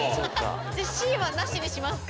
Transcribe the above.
じゃあＣはなしにしますか？